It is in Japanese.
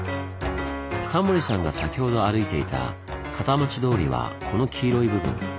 タモリさんが先ほど歩いていた片町通りはこの黄色い部分。